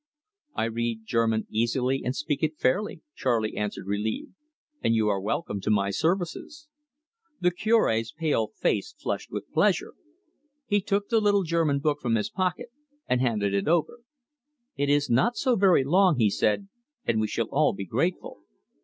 "I read German easily and speak it fairly," Charley answered, relieved; "and you are welcome to my services." The Cure's pale face flushed with pleasure. He took the little German book from his pocket, and handed it over. "It is not so very long," he said; "and we shall all be grateful."